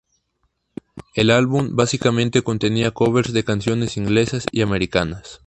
El álbum básicamente contenía covers de canciones inglesas y americanas.